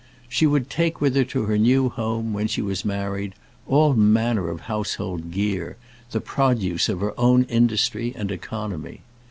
She would take with her to her new home, when she was married, all manner of household gear, the produce of her own industry and economy.